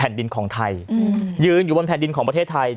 แผ่นดินของไทยยืนอยู่ประเทศไทย